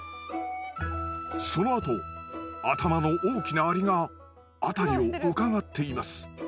そのあと頭の大きなアリが辺りをうかがっています。